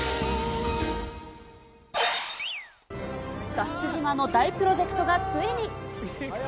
ダッシュ島の大プロジェクトがついに。